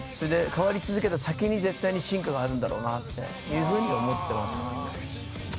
変わり続けた先に絶対に進化があるんだろうなと思っています。